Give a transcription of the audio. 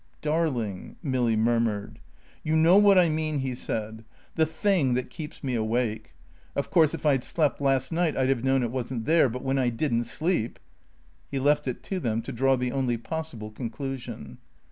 "Darling " Milly murmured. "You know what I mean," he said. "The Thing that keeps me awake. Of course if I'd slept last night I'd have known it wasn't there. But when I didn't sleep " He left it to them to draw the only possible conclusion.